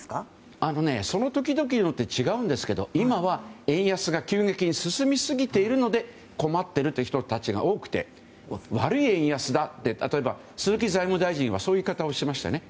その時々によって違うんですけど今は、円安が急激に進みすぎているので困っているという人たちが多くて悪い円安だって例えば鈴木財務大臣はそういう言い方をしましたよね。